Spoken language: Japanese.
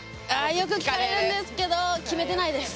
あよく聞かれるんですけど決めてないです。